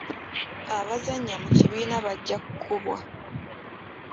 Abazannya mu kibiina bajja kukubwa.